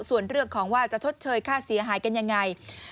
ส่วนเรื่องของว่าจะชดเชยค่าเสียหายกันยังไง